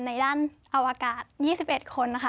ในด้านอวกาศ๒๑คนนะคะ